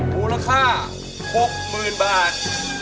มูลค่า๖๐๐๐๐บาท